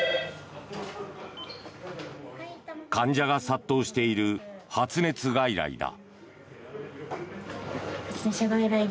患者が殺到している発熱外来だ。